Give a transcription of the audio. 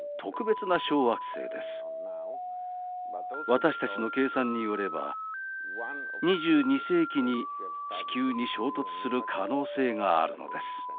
私たちの計算によれば２２世紀に地球に衝突する可能性があるのです。